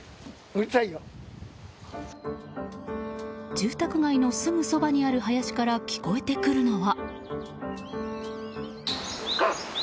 住宅街のすぐそばにある林から聞こえてくるのは。